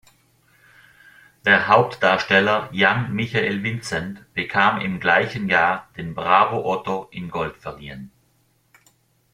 Der Hauptdarsteller Jan-Michael Vincent bekam im gleichen Jahr den Bravo Otto in Gold verliehen.